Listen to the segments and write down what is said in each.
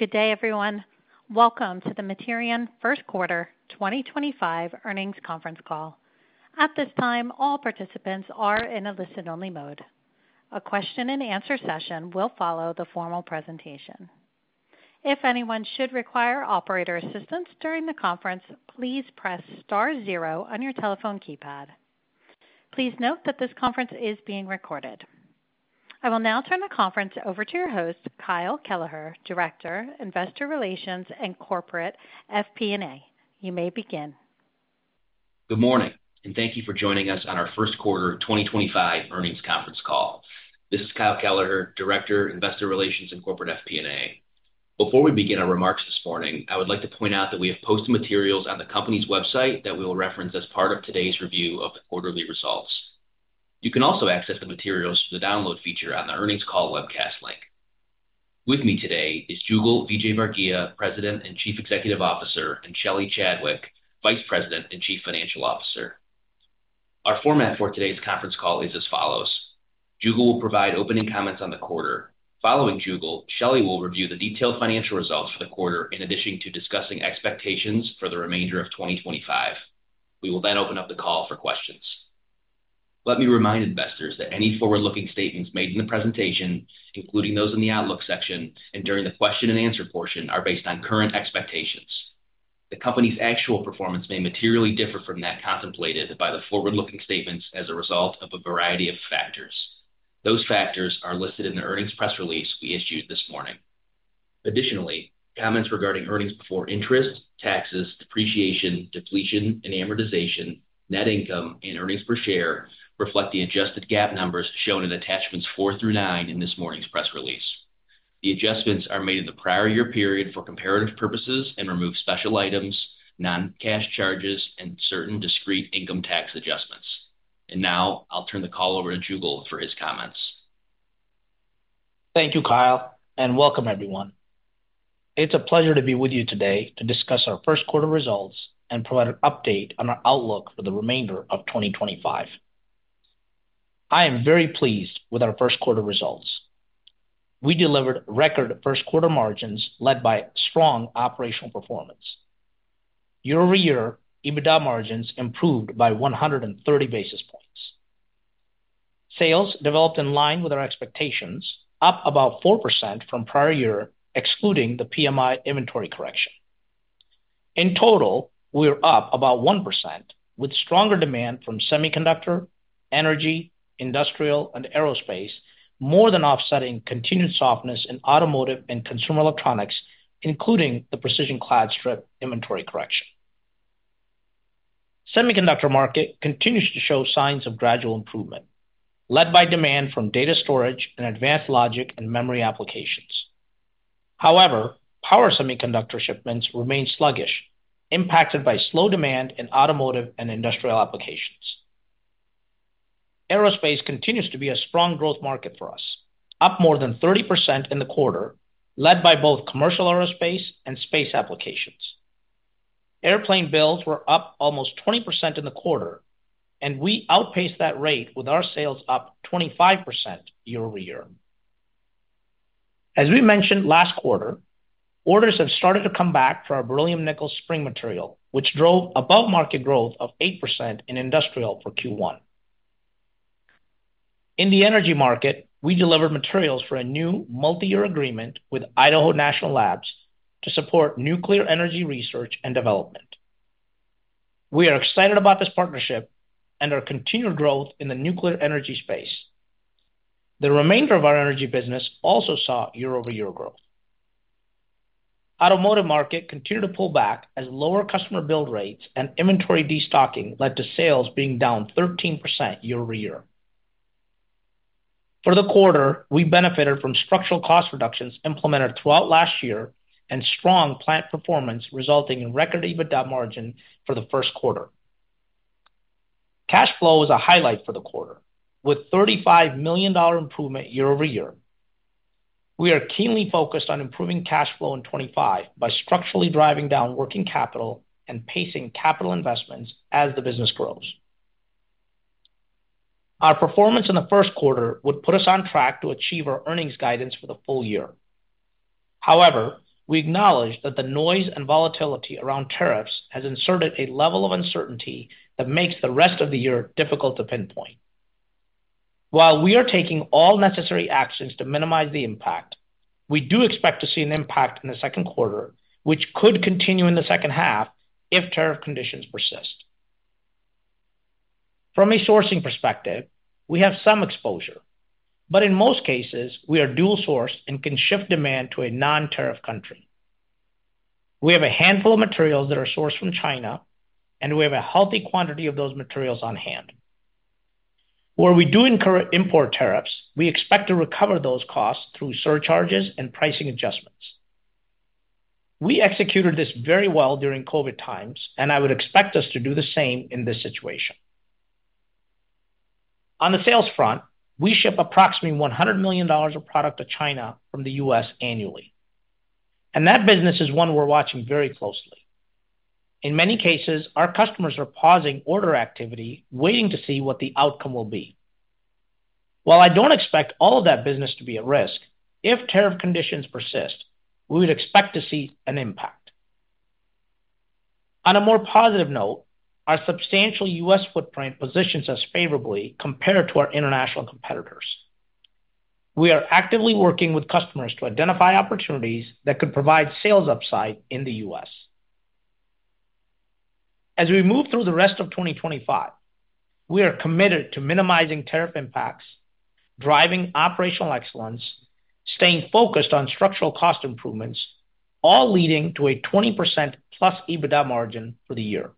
Good day, everyone. Welcome to the Materion Q1 2025 Earnings Conference Call. At this time, all participants are in a listen-only mode. A question-and-answer session will follow the formal presentation. If anyone should require operator assistance during the conference, please press Star zero on your telephone keypad. Please note that this conference is being recorded. I will now turn the conference over to your host, Kyle Kelleher, Director, Investor Relations and Corporate FP&A. You may begin. Good morning, and thank you for joining us on our Q1 2025 Earnings Conference Call. This is Kyle Kelleher, Director, Investor Relations and Corporate FP&A. Before we begin our remarks this morning, I would like to point out that we have posted materials on the company's website that we will reference as part of today's review of the quarterly results. You can also access the materials through the download feature on the earnings call webcast link. With me today is Jugal Vijayvargiya, President and Chief Executive Officer, and Shelly Chadwick, Vice President and Chief Financial Officer. Our format for today's conference call is as follows: Jugal will provide opening comments on the quarter. Following Jugal, Shelly will review the detailed financial results for the quarter, in addition to discussing expectations for the remainder of 2025. We will then open up the call for questions. Let me remind investors that any forward-looking statements made in the presentation, including those in the outlook section and during the question-and-answer portion, are based on current expectations. The company's actual performance may materially differ from that contemplated by the forward-looking statements as a result of a variety of factors. Those factors are listed in the earnings press release we issued this morning. Additionally, comments regarding earnings before interest, taxes, depreciation, depletion, and amortization, net income, and earnings per share reflect the adjusted GAAP numbers shown in attachments four through nine in this morning's press release. The adjustments are made in the prior year period for comparative purposes and remove special items, non-cash charges, and certain discrete income tax adjustments. Now I'll turn the call over to Jugal for his comments. Thank you, Kyle, and welcome, everyone. It's a pleasure to be with you today to discuss our Q1 results and provide an update on our outlook for the remainder of 2025. I am very pleased with our Q1 results. We delivered record Q1 margins led by strong operational performance. Year-over-year, EBITDA margins improved by 130 basis points. Sales developed in line with our expectations, up about 4% from prior year, excluding the PMI inventory correction. In total, we are up about 1%, with stronger demand from semiconductor, energy, industrial, and aerospace, more than offsetting continued softness in automotive and consumer electronics, including the precision clad strip inventory correction. Semiconductor market continues to show signs of gradual improvement, led by demand from data storage and advanced logic and memory applications. However, power semiconductor shipments remain sluggish, impacted by slow demand in automotive and industrial applications. Aerospace continues to be a strong growth market for us, up more than 30% in the quarter, led by both commercial aerospace and space applications. Airplane builds were up almost 20% in the quarter, and we outpaced that rate with our sales up 25% year-over-year. As we mentioned last quarter, orders have started to come back for our beryllium nickel spring material, which drove above-market growth of 8% in industrial for Q1. In the energy market, we delivered materials for a new multi-year agreement with Idaho National Laboratory to support nuclear energy research and development. We are excited about this partnership and our continued growth in the nuclear energy space. The remainder of our energy business also saw year-over-year growth. Automotive market continued to pull back as lower customer build rates and inventory destocking led to sales being down 13% year-over-year. For the quarter, we benefited from structural cost reductions implemented throughout last year and strong plant performance resulting in record EBITDA margin for the Q1. Cash flow was a highlight for the quarter, with $35 million improvement year-over-year. We are keenly focused on improving cash flow in 2025 by structurally driving down working capital and pacing capital investments as the business grows. Our performance in the Q1 would put us on track to achieve our earnings guidance for the full year. However, we acknowledge that the noise and volatility around tariffs has inserted a level of uncertainty that makes the rest of the year difficult to pinpoint. While we are taking all necessary actions to minimize the impact, we do expect to see an impact in the Q2, which could continue in the second half if tariff conditions persist. From a sourcing perspective, we have some exposure, but in most cases, we are dual-sourced and can shift demand to a non-tariff country. We have a handful of materials that are sourced from China, and we have a healthy quantity of those materials on hand. Where we do incur import tariffs, we expect to recover those costs through surcharges and pricing adjustments. We executed this very well during COVID times, and I would expect us to do the same in this situation. On the sales front, we ship approximately $100 million of product to China from the US annually, and that business is one we're watching very closely. In many cases, our customers are pausing order activity, waiting to see what the outcome will be. While I do not expect all of that business to be at risk, if tariff conditions persist, we would expect to see an impact. On a more positive note, our substantial US footprint positions us favorably compared to our international competitors. We are actively working with customers to identify opportunities that could provide sales upside in the US As we move through the rest of 2025, we are committed to minimizing tariff impacts, driving operational excellence, staying focused on structural cost improvements, all leading to a 20% plus EBITDA margin for the year.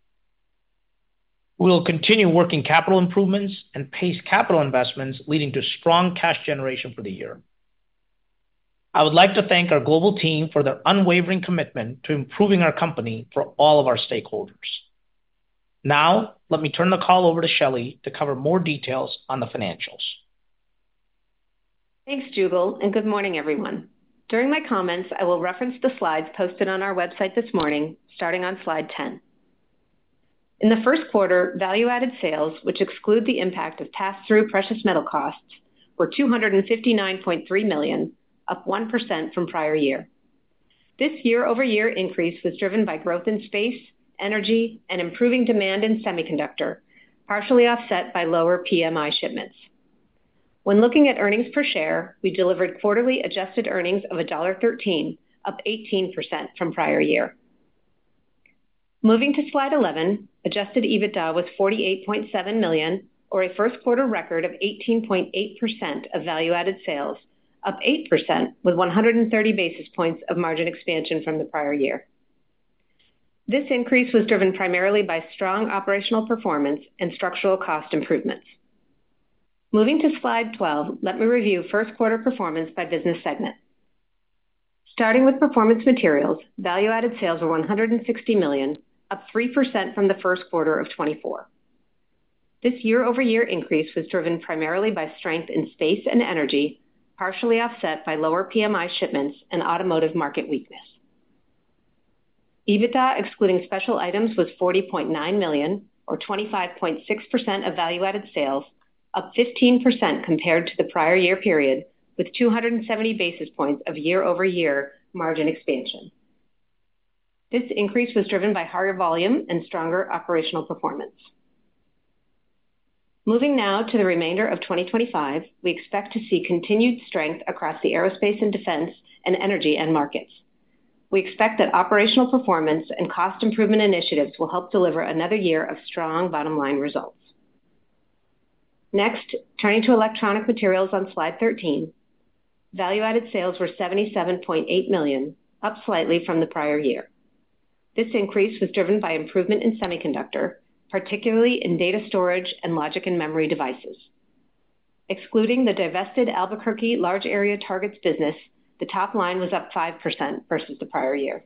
We will continue working capital improvements and pace capital investments, leading to strong cash generation for the year. I would like to thank our global team for their unwavering commitment to improving our company for all of our stakeholders. Now, let me turn the call over to Shelly to cover more details on the financials. Thanks, Jugal, and good morning, everyone. During my comments, I will reference the slides posted on our website this morning, starting on slide 10. In the Q1, value-added sales, which exclude the impact of pass-through precious metal costs, were $259.3 million, up 1% from prior year. This year-over-year increase was driven by growth in space, energy, and improving demand in semiconductor, partially offset by lower PMI shipments. When looking at earnings per share, we delivered quarterly adjusted earnings of $1.13, up 18% from prior year. Moving to slide 11, adjusted EBITDA was $48.7 million, or a Q1 record of 18.8% of value-added sales, up 8% with 130 basis points of margin expansion from the prior year. This increase was driven primarily by strong operational performance and structural cost improvements. Moving to slide 12, let me review Q1 performance by business segment. Starting with Performance Materials, value-added sales were $160 million, up 3% from the Q1 of 2024. This year-over-year increase was driven primarily by strength in space and energy, partially offset by lower PMI shipments and automotive market weakness. EBITDA, excluding special items, was $40.9 million, or 25.6% of value-added sales, up 15% compared to the prior year period, with 270 basis points of year-over-year margin expansion. This increase was driven by higher volume and stronger operational performance. Moving now to the remainder of 2025, we expect to see continued strength across the aerospace and defense and energy end markets. We expect that operational performance and cost improvement initiatives will help deliver another year of strong bottom-line results. Next, turning to Electronic Materials on slide 13, value-added sales were $77.8 million, up slightly from the prior year. This increase was driven by improvement in semiconductor, particularly in data storage and logic and memory devices. Excluding the divested Albuquerque large area targets business, the top line was up 5% versus the prior year.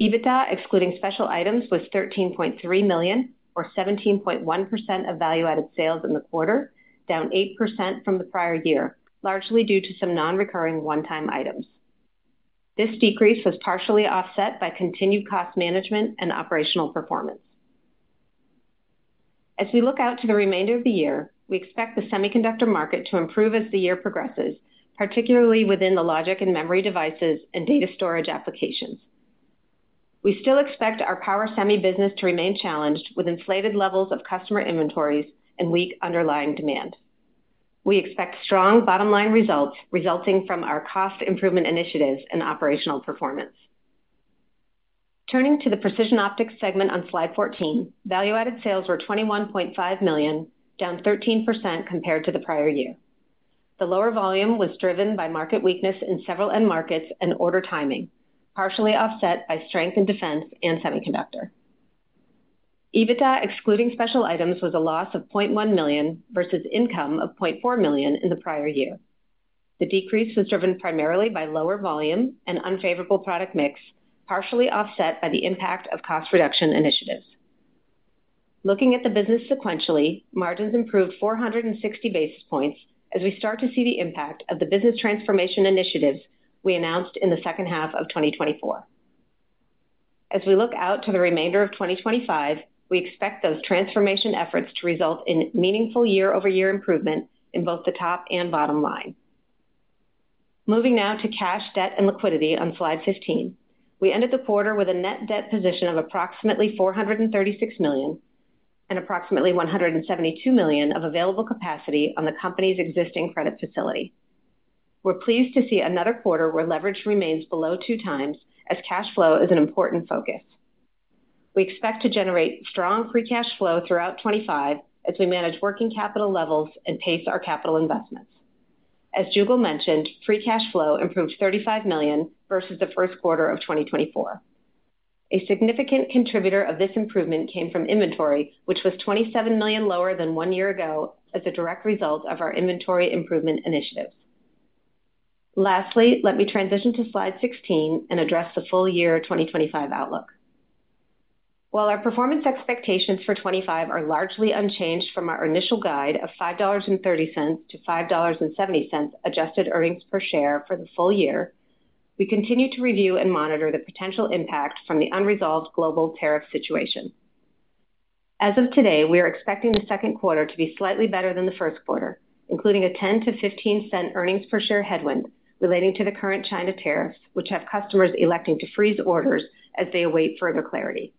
EBITDA, excluding special items, was $13.3 million, or 17.1% of value-added sales in the quarter, down 8% from the prior year, largely due to some non-recurring one-time items. This decrease was partially offset by continued cost management and operational performance. As we look out to the remainder of the year, we expect the semiconductor market to improve as the year progresses, particularly within the logic and memory devices and data storage applications. We still expect our power semi business to remain challenged with inflated levels of customer inventories and weak underlying demand. We expect strong bottom-line results resulting from our cost improvement initiatives and operational performance. Turning to the Precision Optics segment on slide 14, value-added sales were $21.5 million, down 13% compared to the prior year. The lower volume was driven by market weakness in several end markets and order timing, partially offset by strength in defense and semiconductor. EBITDA, excluding special items, was a loss of $0.1 million versus income of $0.4 million in the prior year. The decrease was driven primarily by lower volume and unfavorable product mix, partially offset by the impact of cost reduction initiatives. Looking at the business sequentially, margins improved 460 basis points as we start to see the impact of the business transformation initiatives we announced in the second half of 2024. As we look out to the remainder of 2025, we expect those transformation efforts to result in meaningful year-over-year improvement in both the top and bottom line. Moving now to cash, debt, and liquidity on slide 15, we ended the quarter with a net debt position of approximately $436 million and approximately $172 million of available capacity on the company's existing credit facility. We're pleased to see another quarter where leverage remains below two times as cash flow is an important focus. We expect to generate strong free cash flow throughout 2025 as we manage working capital levels and pace our capital investments. As Jugal mentioned, free cash flow improved $35 million versus the Q1 of 2024. A significant contributor of this improvement came from inventory, which was $27 million lower than one year ago as a direct result of our inventory improvement initiatives. Lastly, let me transition to slide 16 and address the full year 2025 outlook. While our performance expectations for 2025 are largely unchanged from our initial guide of $5.30-$5.70 adjusted earnings per share for the full year, we continue to review and monitor the potential impact from the unresolved global tariff situation. As of today, we are expecting the Q2 to be slightly better than the Q1, including a $0.10-$0.15 earnings per share headwind relating to the current China tariffs, which have customers electing to freeze orders as they await further clarity.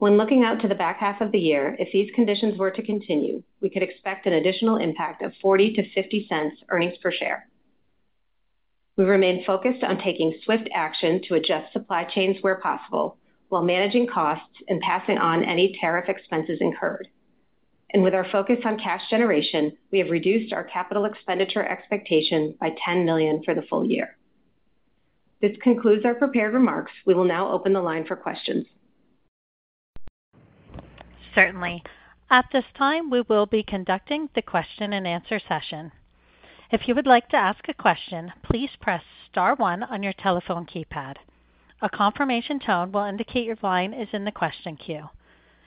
When looking out to the back half of the year, if these conditions were to continue, we could expect an additional impact of $0.40-$0.50 earnings per share. We remain focused on taking swift action to adjust supply chains where possible while managing costs and passing on any tariff expenses incurred. With our focus on cash generation, we have reduced our capital expenditure expectation by $10 million for the full year. This concludes our prepared remarks. We will now open the line for questions. Certainly. At this time, we will be conducting the question and answer session. If you would like to ask a question, please press Star one on your telephone keypad. A confirmation tone will indicate your line is in the question queue.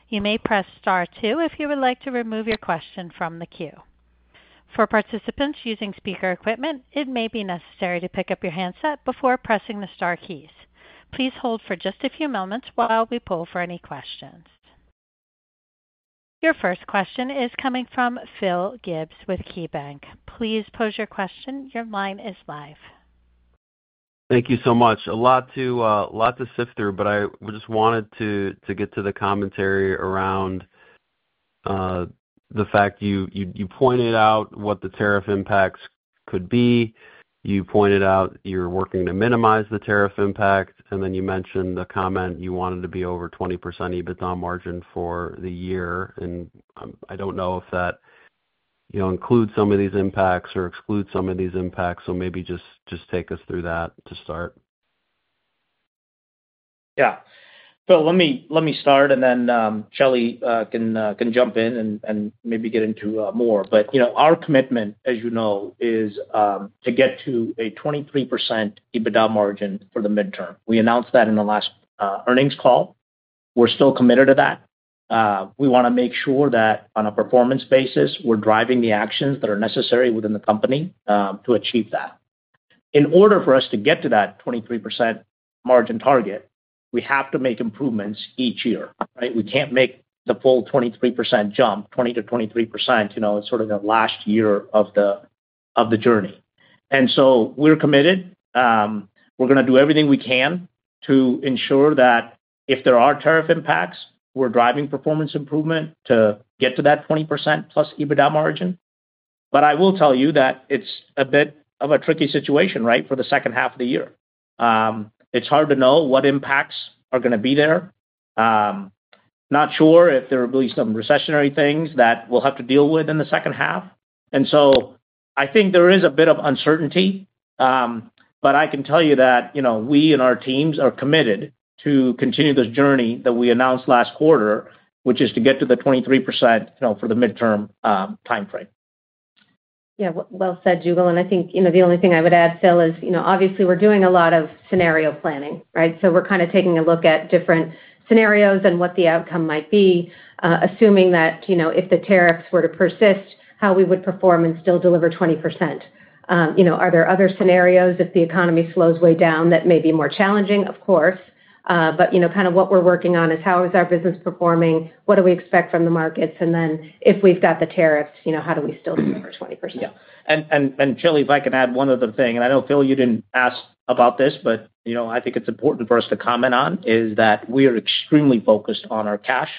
You may press Star two if you would like to remove your question from the queue. For participants using speaker equipment, it may be necessary to pick up your handset before pressing the Star keys. Please hold for just a few moments while we pull for any questions. Your first question is coming from Phil Gibbs with KeyBanc. Please pose your question. Your line is live. Thank you so much. A lot to sift through, but I just wanted to get to the commentary around the fact you pointed out what the tariff impacts could be. You pointed out you're working to minimize the tariff impact, and then you mentioned the comment you wanted to be over 20% EBITDA margin for the year. I don't know if that includes some of these impacts or excludes some of these impacts, so maybe just take us through that to start. Yeah. Let me start, and then Shelly can jump in and maybe get into more. Our commitment, as you know, is to get to a 23% EBITDA margin for the midterm. We announced that in the last earnings call. We're still committed to that. We want to make sure that on a performance basis, we're driving the actions that are necessary within the company to achieve that. In order for us to get to that 23% margin target, we have to make improvements each year. We can't make the full 23% jump, 20-23%, you know, sort of the last year of the journey. We're committed. We're going to do everything we can to ensure that if there are tariff impacts, we're driving performance improvement to get to that 20% plus EBITDA margin. I will tell you that it's a bit of a tricky situation, right, for the second half of the year. It's hard to know what impacts are going to be there. Not sure if there are at least some recessionary things that we'll have to deal with in the second half. I think there is a bit of uncertainty, but I can tell you that, you know, we and our teams are committed to continue this journey that we announced last quarter, which is to get to the 23% for the midterm timeframe. Yeah, well said, Jugal. I think, you know, the only thing I would add, Phil, is, you know, obviously we're doing a lot of scenario planning, right? We're kind of taking a look at different scenarios and what the outcome might be, assuming that, you know, if the tariffs were to persist, how we would perform and still deliver 20%. You know, are there other scenarios if the economy slows way down that may be more challenging, of course? You know, kind of what we're working on is how is our business performing? What do we expect from the markets? If we've got the tariffs, you know, how do we still deliver 20%? Yeah. Shelly, if I can add one other thing, and I know, Phil, you didn't ask about this, but, you know, I think it's important for us to comment on is that we are extremely focused on our cash,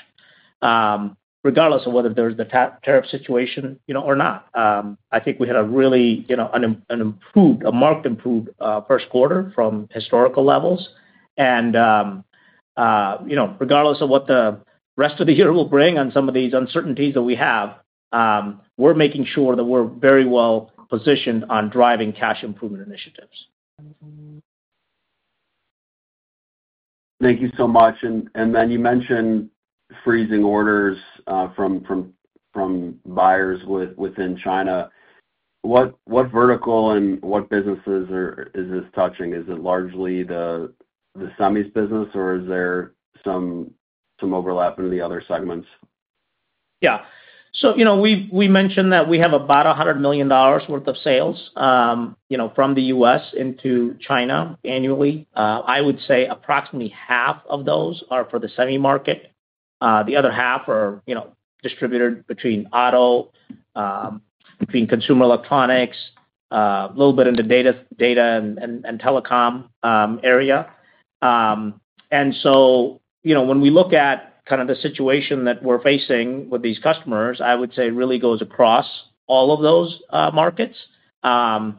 regardless of whether there's the tariff situation, you know, or not. I think we had a really, you know, an improved, a marked improved Q1 from historical levels. And, you know, regardless of what the rest of the year will bring on some of these uncertainties that we have, we're making sure that we're very well positioned on driving cash improvement initiatives. Thank you so much. You mentioned freezing orders from buyers within China. What vertical and what businesses is this touching? Is it largely the semis business, or is there some overlap in the other segments? Yeah. You know, we mentioned that we have about $100 million worth of sales, you know, from the US into China annually. I would say approximately half of those are for the semi market. The other half are, you know, distributed between auto, between consumer electronics, a little bit in the data and telecom area. You know, when we look at kind of the situation that we're facing with these customers, I would say really goes across all of those markets. You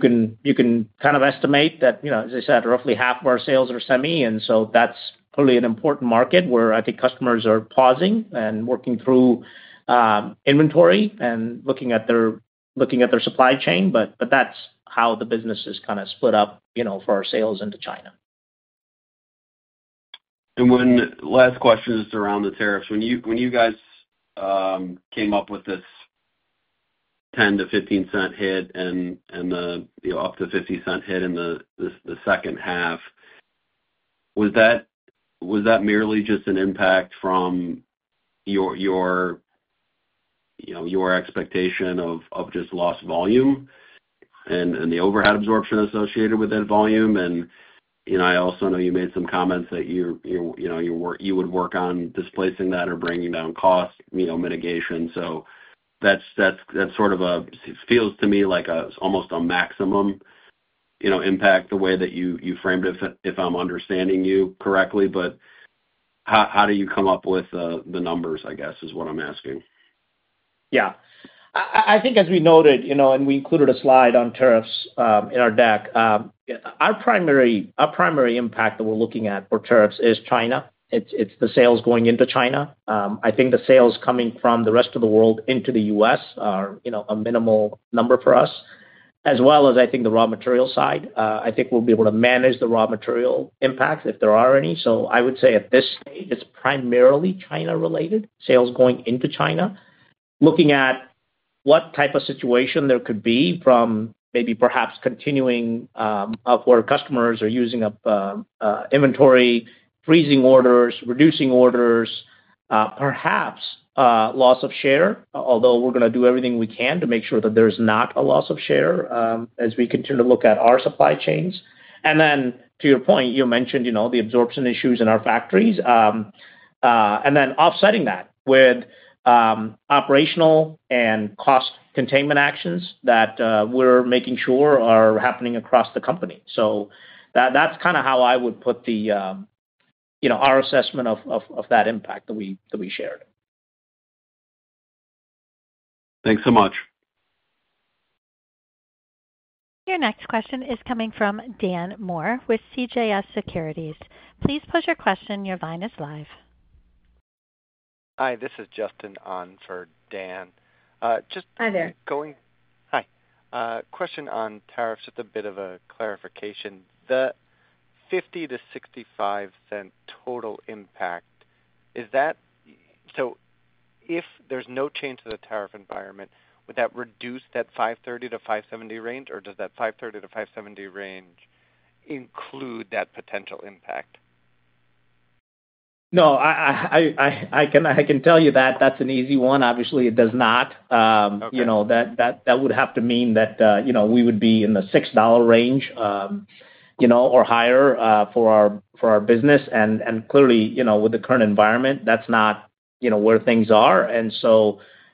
can kind of estimate that, you know, as I said, roughly half of our sales are semi. That's probably an important market where I think customers are pausing and working through inventory and looking at their supply chain. That's how the business is kind of split up, you know, for our sales into China. When last question is around the tariffs, when you guys came up with this $0.10 to $0.15 hit and the up to $0.50 hit in the second half, was that merely just an impact from your expectation of just lost volume and the overhead absorption associated with that volume? I also know you made some comments that you would work on displacing that or bringing down cost mitigation. That sort of feels to me like almost a maximum impact the way that you framed it, if I'm understanding you correctly. How do you come up with the numbers, I guess, is what I'm asking? Yeah. I think as we noted, you know, and we included a slide on tariffs in our deck, our primary impact that we're looking at for tariffs is China. It's the sales going into China. I think the sales coming from the rest of the world into the US are, you know, a minimal number for us, as well as I think the raw material side. I think we'll be able to manage the raw material impacts if there are any. I would say at this stage, it's primarily China-related sales going into China. Looking at what type of situation there could be from maybe perhaps continuing up where customers are using inventory, freezing orders, reducing orders, perhaps loss of share, although we're going to do everything we can to make sure that there's not a loss of share as we continue to look at our supply chains. To your point, you mentioned, you know, the absorption issues in our factories and then offsetting that with operational and cost containment actions that we're making sure are happening across the company. That is kind of how I would put the, you know, our assessment of that impact that we shared. Thanks so much. Your next question is coming from Dan Moore with CJS Securities. Please pose your question. Your line is live. Hi, this is Justin on for, Dan. Hi there. Just going. Hi. Question on tariffs with a bit of a clarification. The $0.50-$0.65 total impact, is that, so if there is no change to the tariff environment, would that reduce that $5.30-$5.70 range, or does that $5.30-$5.70 range include that potential impact? No, I can tell you that that's an easy one. Obviously, it does not. You know, that would have to mean that, you know, we would be in the $6 range, you know, or higher for our business. And clearly, you know, with the current environment, that's not, you know, where things are.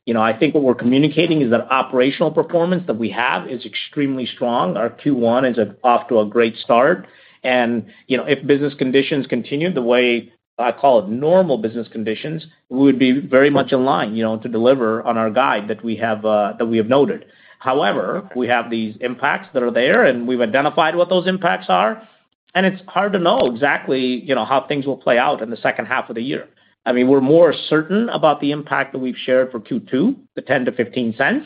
You know, I think what we're communicating is that operational performance that we have is extremely strong. Our Q1 is off to a great start. You know, if business conditions continue the way I call it normal business conditions, we would be very much in line, you know, to deliver on our guide that we have noted. However, we have these impacts that are there, and we've identified what those impacts are. It's hard to know exactly, you know, how things will play out in the second half of the year. I mean, we're more certain about the impact that we've shared for Q2, the $0.10-$0.15.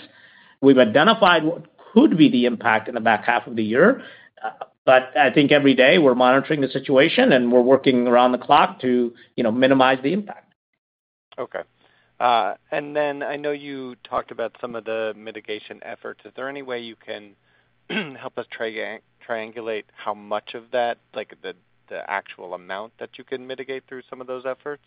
We've identified what could be the impact in the back half of the year. I think every day we're monitoring the situation, and we're working around the clock to, you know, minimize the impact. Okay. I know you talked about some of the mitigation efforts. Is there any way you can help us triangulate how much of that, like the actual amount that you can mitigate through some of those efforts?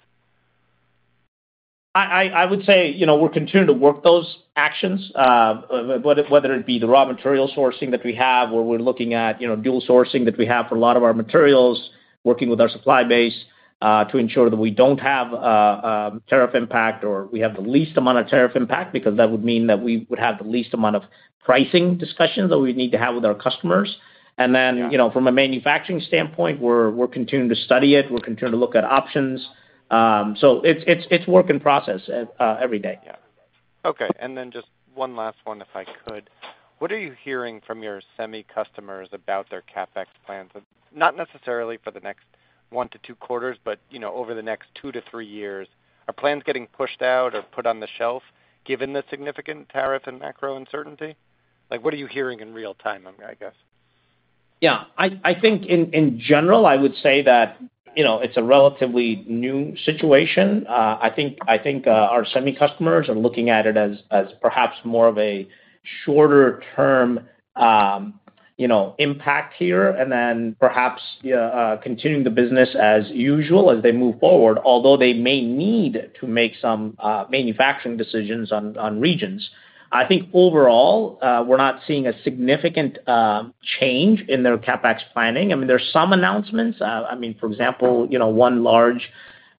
I would say, you know, we're continuing to work those actions, whether it be the raw material sourcing that we have or we're looking at, you know, dual sourcing that we have for a lot of our materials, working with our supply base to ensure that we don't have a tariff impact or we have the least amount of tariff impact, because that would mean that we would have the least amount of pricing discussions that we would need to have with our customers. You know, from a manufacturing standpoint, we're continuing to study it. We're continuing to look at options. It is a work in process every day. Yeah. Okay. And then just one last one, if I could. What are you hearing from your semi customers about their CapEx plans? Not necessarily for the next one to two quarters, but, you know, over the next two to three years, are plans getting pushed out or put on the shelf given the significant tariff and macro uncertainty? Like, what are you hearing in real time, I guess? Yeah. I think in general, I would say that, you know, it's a relatively new situation. I think our semi customers are looking at it as perhaps more of a shorter term, you know, impact here and then perhaps continuing the business as usual as they move forward, although they may need to make some manufacturing decisions on regions. I think overall, we're not seeing a significant change in their CapEx planning. I mean, there's some announcements. I mean, for example, you know, one large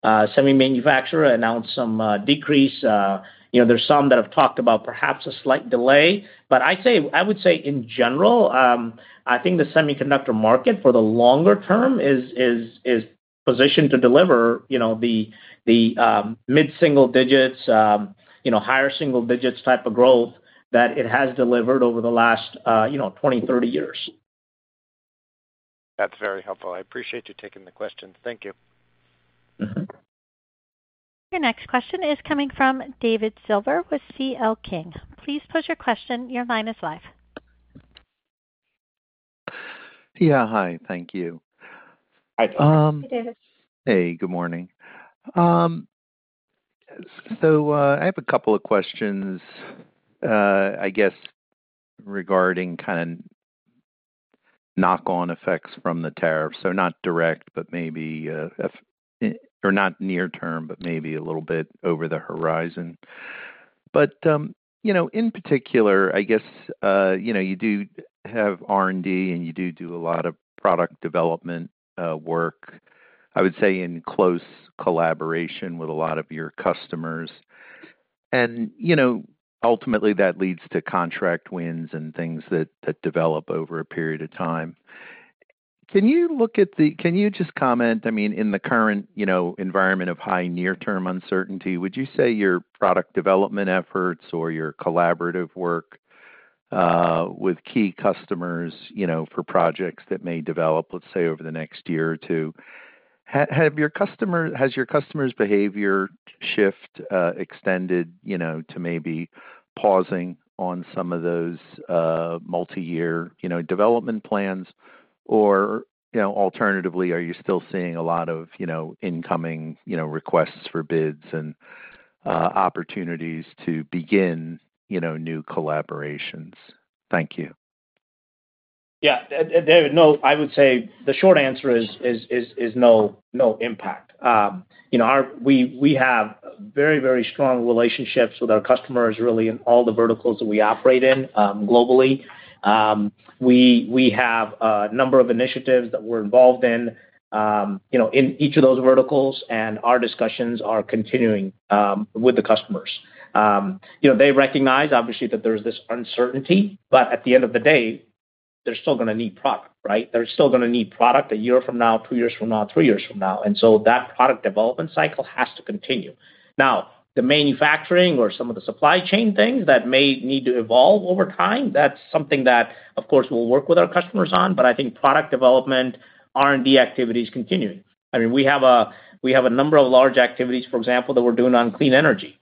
semi manufacturer announced some decrease. You know, there's some that have talked about perhaps a slight delay. I would say in general, I think the semiconductor market for the longer term is positioned to deliver, you know, the mid-single digits, you know, higher single digits type of growth that it has delivered over the last, you know, 20, 30 years. That's very helpful. I appreciate you taking the question. Thank you. Your next question is coming from David Silver with CL King. Please pose your question. Your line is live. Yeah. Hi. Thank you. Hi. David. Hey. Good morning. I have a couple of questions, I guess, regarding kind of knock-on effects from the tariffs. Not direct, but maybe or not near term, but maybe a little bit over the horizon. You know, in particular, I guess, you know, you do have R&D and you do do a lot of product development work, I would say, in close collaboration with a lot of your customers. You know, ultimately that leads to contract wins and things that develop over a period of time. Can you look at the, can you just comment, I mean, in the current, you know, environment of high near-term uncertainty, would you say your product development efforts or your collaborative work with key customers, you know, for projects that may develop, let's say, over the next year or two? Has your customer's behavior shift extended, you know, to maybe pausing on some of those multi-year, you know, development plans? Or, you know, alternatively, are you still seeing a lot of, you know, incoming, you know, requests for bids and opportunities to begin, you know, new collaborations? Thank you. Yeah. No, I would say the short answer is no impact. You know, we have very, very strong relationships with our customers really in all the verticals that we operate in globally. We have a number of initiatives that we're involved in, you know, in each of those verticals, and our discussions are continuing with the customers. You know, they recognize, obviously, that there's this uncertainty, but at the end of the day, they're still going to need product, right? They're still going to need product a year from now, two years from now, three years from now. And so that product development cycle has to continue. Now, the manufacturing or some of the supply chain things that may need to evolve over time, that's something that, of course, we'll work with our customers on. I think product development, R&D activities continue. I mean, we have a number of large activities, for example, that we're doing on clean energy,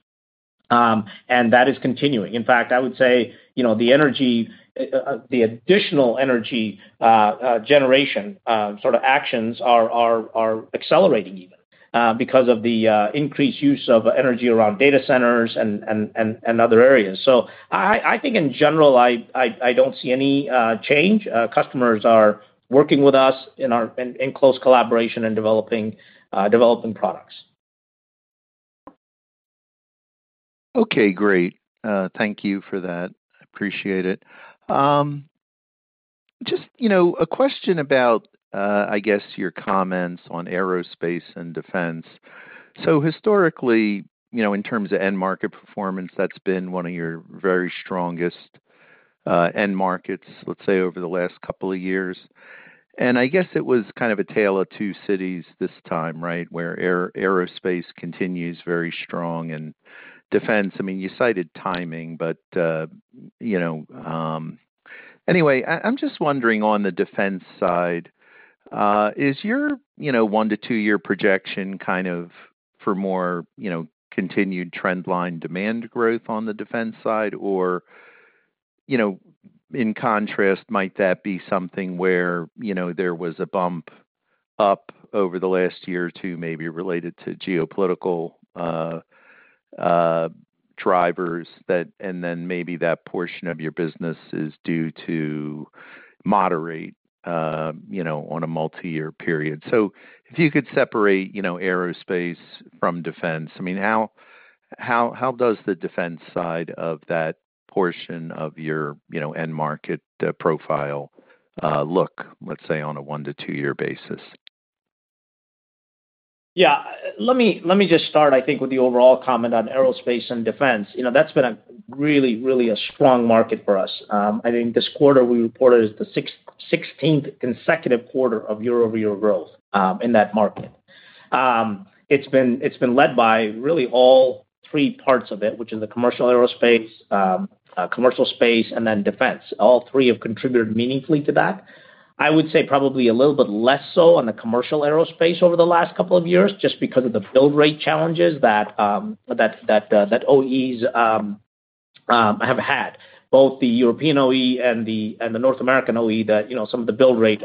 and that is continuing. In fact, I would say, you know, the energy, the additional energy generation sort of actions are accelerating even because of the increased use of energy around data centers and other areas. I think in general, I don't see any change. Customers are working with us in close collaboration and developing products. Okay. Great. Thank you for that. I appreciate it. Just, you know, a question about, I guess, your comments on aerospace and defense. Historically, you know, in terms of end market performance, that's been one of your very strongest end markets, let's say, over the last couple of years. I guess it was kind of a tale of two cities this time, right, where aerospace continues very strong and defense. I mean, you cited timing, but, you know, anyway, I'm just wondering on the defense side, is your, you know, one to two-year projection kind of for more, you know, continued trendline demand growth on the defense side? You know, in contrast, might that be something where, you know, there was a bump up over the last year or two maybe related to geopolitical drivers that, and then maybe that portion of your business is due to moderate, you know, on a multi-year period. If you could separate, you know, aerospace from defense, I mean, how does the defense side of that portion of your, you know, end market profile look, let's say, on a one to two-year basis? Yeah. Let me just start, I think, with the overall comment on aerospace and defense. You know, that's been really, really a strong market for us. I think this quarter we reported is the 16th consecutive quarter of year-over-year growth in that market. It's been led by really all three parts of it, which are the commercial aerospace, commercial space, and then defense. All three have contributed meaningfully to that. I would say probably a little bit less so on the commercial aerospace over the last couple of years just because of the build rate challenges that OEs have had, both the European OE and the North American OE that, you know, some of the build rate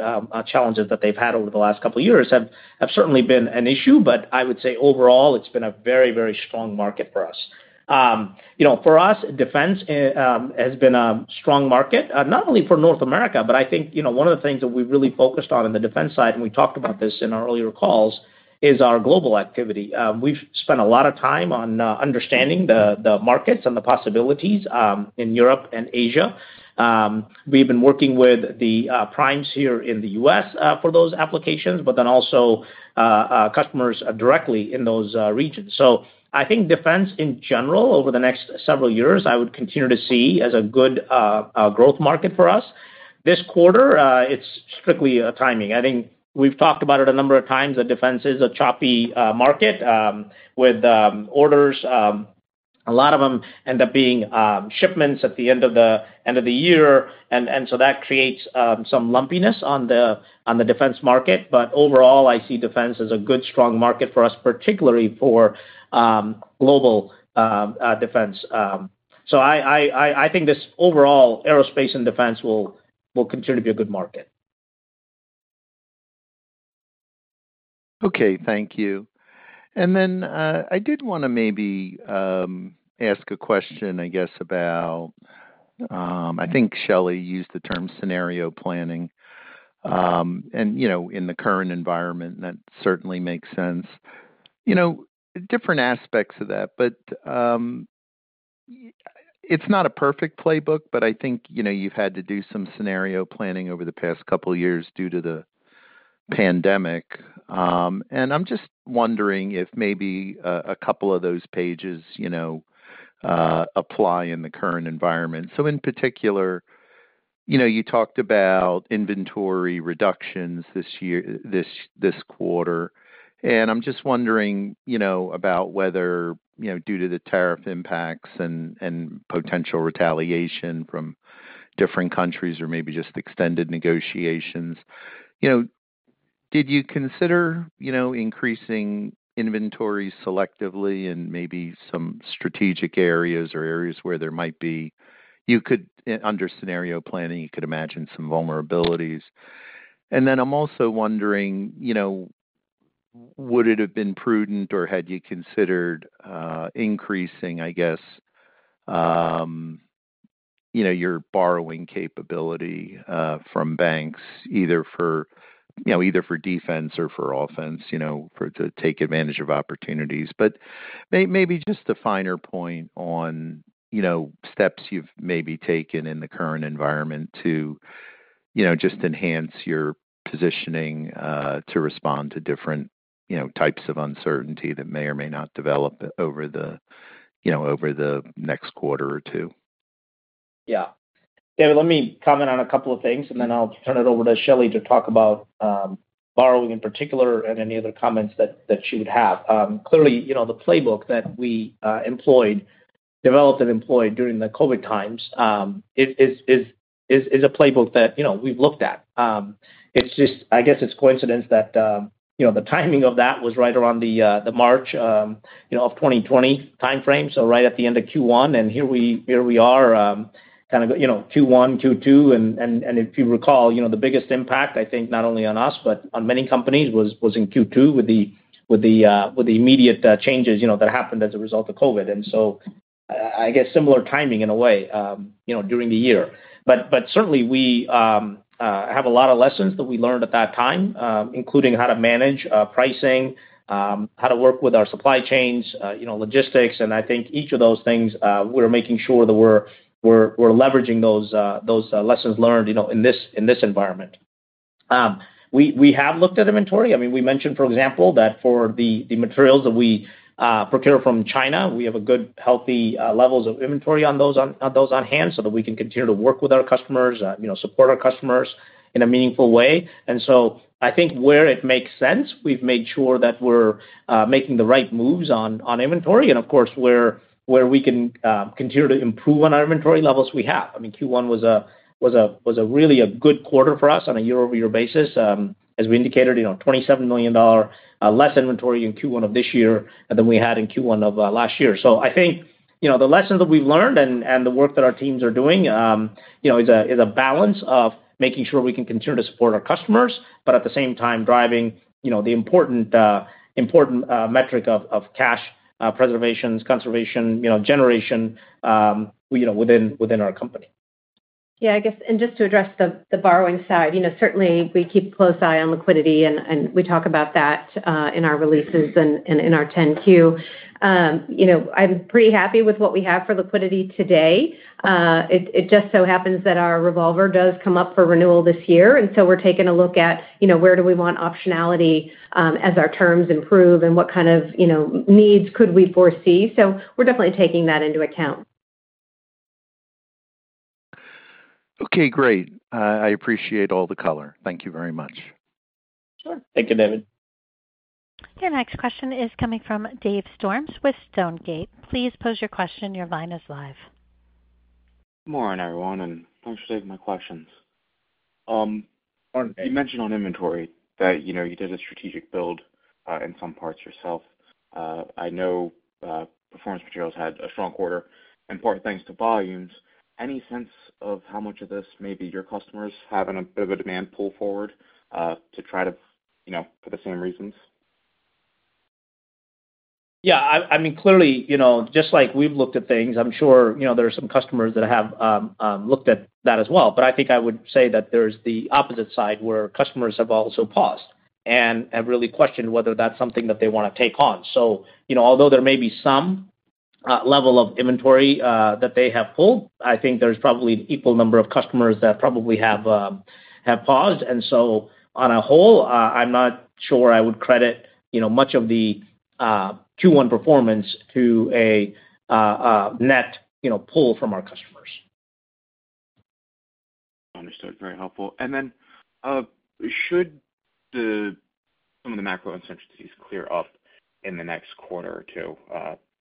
challenges that they've had over the last couple of years have certainly been an issue. I would say overall, it's been a very, very strong market for us. You know, for us, defense has been a strong market, not only for North America, but I think, you know, one of the things that we've really focused on in the defense side, and we talked about this in our earlier calls, is our global activity. We've spent a lot of time on understanding the markets and the possibilities in Europe and Asia. We've been working with the primes here in the US for those applications, but then also customers directly in those regions. I think defense in general over the next several years, I would continue to see as a good growth market for us. This quarter, it's strictly a timing. I think we've talked about it a number of times that defense is a choppy market with orders. A lot of them end up being shipments at the end of the year. That creates some lumpiness on the defense market. Overall, I see defense as a good, strong market for us, particularly for global defense. I think this overall aerospace and defense will continue to be a good market. Okay. Thank you. I did want to maybe ask a question, I guess, about, I think Shelly used the term scenario planning. You know, in the current environment, that certainly makes sense. You know, different aspects of that, but it's not a perfect playbook, but I think, you know, you've had to do some scenario planning over the past couple of years due to the pandemic. I'm just wondering if maybe a couple of those pages, you know, apply in the current environment. In particular, you talked about inventory reductions this quarter. I'm just wondering, you know, about whether, you know, due to the tariff impacts and potential retaliation from different countries or maybe just extended negotiations, you know, did you consider, you know, increasing inventory selectively and maybe some strategic areas or areas where there might be, you could under scenario planning, you could imagine some vulnerabilities? I'm also wondering, you know, would it have been prudent or had you considered increasing, I guess, you know, your borrowing capability from banks either for, you know, either for defense or for offense, you know, to take advantage of opportunities? Maybe just a finer point on, you know, steps you've maybe taken in the current environment to, you know, just enhance your positioning to respond to different, you know, types of uncertainty that may or may not develop over the, you know, over the next quarter or two. Yeah. David, let me comment on a couple of things, and then I'll turn it over to Shelly to talk about borrowing in particular and any other comments that she would have. Clearly, you know, the playbook that we employed, developed, and employed during the COVID times is a playbook that, you know, we've looked at. It's just, I guess it's coincidence that, you know, the timing of that was right around the March, you know, of 2020 timeframe, so right at the end of Q1. Here we are kind of, you know, Q1, Q2. If you recall, you know, the biggest impact, I think not only on us, but on many companies was in Q2 with the immediate changes, you know, that happened as a result of COVID. I guess similar timing in a way, you know, during the year. We have a lot of lessons that we learned at that time, including how to manage pricing, how to work with our supply chains, you know, logistics. I think each of those things, we're making sure that we're leveraging those lessons learned, you know, in this environment. We have looked at inventory. I mean, we mentioned, for example, that for the materials that we procure from China, we have good, healthy levels of inventory on those on hand so that we can continue to work with our customers, you know, support our customers in a meaningful way. I think where it makes sense, we've made sure that we're making the right moves on inventory. Of course, where we can continue to improve on our inventory levels, we have. I mean, Q1 was a really good quarter for us on a year-over-year basis. As we indicated, you know, $27 million less inventory in Q1 of this year than we had in Q1 of last year. I think, you know, the lessons that we've learned and the work that our teams are doing, you know, is a balance of making sure we can continue to support our customers, but at the same time driving, you know, the important metric of cash preservation, conservation, generation, you know, within our company. Yeah. I guess, and just to address the borrowing side, you know, certainly we keep a close eye on liquidity, and we talk about that in our releases and in our 10Q. You know, I'm pretty happy with what we have for liquidity today. It just so happens that our revolver does come up for renewal this year. We are taking a look at, you know, where do we want optionality as our terms improve and what kind of, you know, needs could we foresee? We are definitely taking that into account. Okay. Great. I appreciate all the color. Thank you very much. Thank you, David. Okay. Next question is coming from Dave Storms with Stonegate. Please pose your question. Your line is live. Good morning, everyone, and thanks for taking my questions. You mentioned on inventory that, you know, you did a strategic build in some parts yourself. I know performance materials had a strong quarter. And part of thanks to volumes, any sense of how much of this maybe your customers have in a bit of a demand pull forward to try to, you know, for the same reasons? Yeah. I mean, clearly, you know, just like we've looked at things, I'm sure, you know, there are some customers that have looked at that as well. I think I would say that there's the opposite side where customers have also paused and have really questioned whether that's something that they want to take on. You know, although there may be some level of inventory that they have pulled, I think there's probably an equal number of customers that probably have paused. On a whole, I'm not sure I would credit, you know, much of the Q1 performance to a net, you know, pull from our customers. Understood. Very helpful. Should some of the macro uncertainties clear up in the next quarter or two,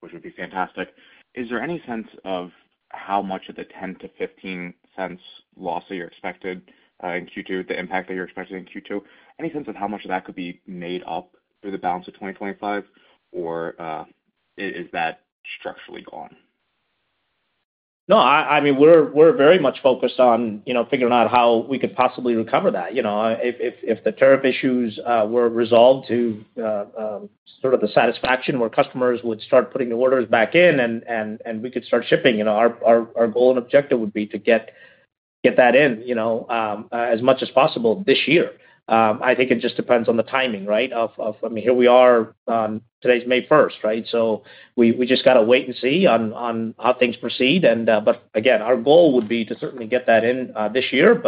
which would be fantastic, is there any sense of how much of the $0.10-$0.15 loss that you're expecting in Q2, the impact that you're expecting in Q2, any sense of how much of that could be made up through the balance of 2025, or is that structurally gone? No, I mean, we're very much focused on, you know, figuring out how we could possibly recover that. You know, if the tariff issues were resolved to sort of the satisfaction where customers would start putting the orders back in and we could start shipping, you know, our goal and objective would be to get that in, you know, as much as possible this year. I think it just depends on the timing, right? I mean, here we are on today's May 1st, right? We just got to wait and see on how things proceed. Again, our goal would be to certainly get that in this year.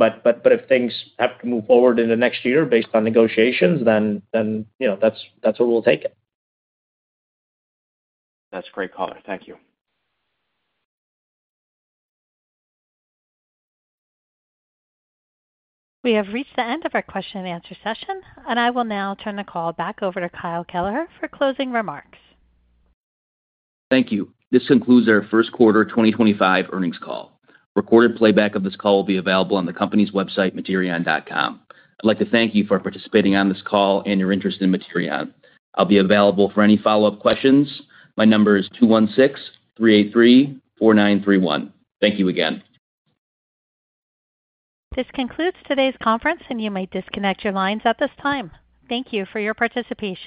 If things have to move forward in the next year based on negotiations, then, you know, that's where we'll take it. That's a great comment. Thank you. We have reached the end of our question-and-answer session, and I will now turn the call back over to Kyle Kelleher for closing remarks. Thank you. This concludes our Q1 2025 earnings call. Recorded playback of this call will be available on the company's website, materion.com. I'd like to thank you for participating on this call and your interest in Materion. I'll be available for any follow-up questions. My number is 216-383-4931. Thank you again. This concludes today's conference, and you may disconnect your lines at this time. Thank you for your participation.